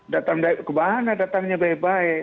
datang kemana datangnya baik baik